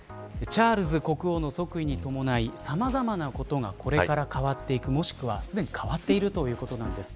チャールズ国王の即位に伴いさまざまなことがこれから変わっていくもしくは、すでに変わっているということなんです。